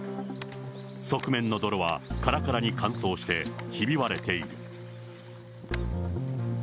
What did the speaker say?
側面の泥はからからに乾燥してひび割れている。